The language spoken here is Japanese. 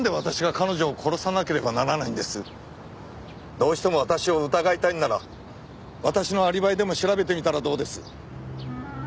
どうしても私を疑いたいのなら私のアリバイでも調べてみたらどうです？